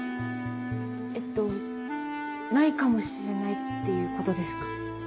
えっとないかもしれないっていうことですか？